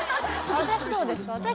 私どうですか？